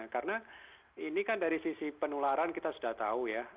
karena ini kan dari sisi penularan kita sudah tahu ya